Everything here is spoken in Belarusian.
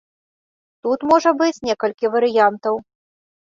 Тут можа быць некалькі варыянтаў.